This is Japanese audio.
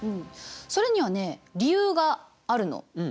それにはね理由があるの。